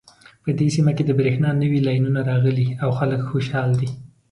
په دې سیمه کې د بریښنا نوې لینونه راغلي او خلک خوشحاله دي